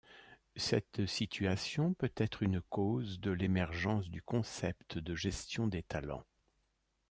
Cette situation peut être une cause de l'émergence du concept de gestion des talents.